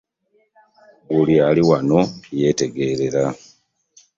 Buli ali wano yeetegeerera.